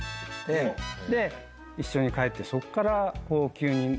一緒に帰ってそっから。